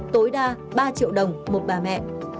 tối đa ba triệu đồng một bà mẹ